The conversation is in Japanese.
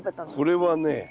これはね